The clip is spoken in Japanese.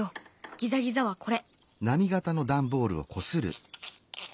ギザギザはこれ。